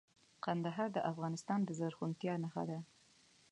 کندهار د افغانستان د زرغونتیا نښه ده.